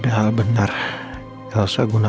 aku sudah pas perta